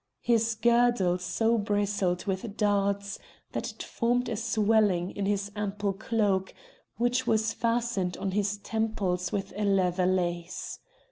His girdle so bristled with darts that it formed a swelling in his ample cloak, which was fastened on his temples with a leather lace.